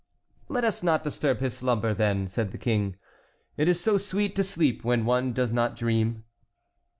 "Let us not disturb his slumber, then," said the King; "it is so sweet to sleep when one does not dream!"